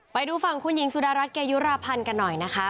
ไปดูฝั่งคุณหญิงสุดารัฐเกยุราพันธ์กันหน่อยนะคะ